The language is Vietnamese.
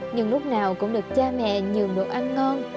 nhưng lúc nào cũng được cha mẹ nhường đồ ăn ngon